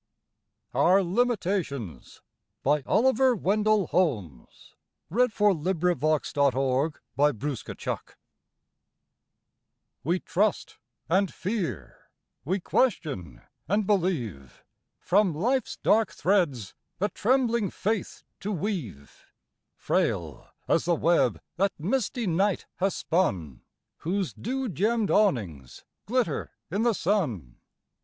Our Limitations By Oliver Wendell Holmes We trust and fear, we question and believe, From life's dark threads a trembling faith to weave, Frail as the web that misty night has spun, Whose dew gemmed awnings glitter in the sun.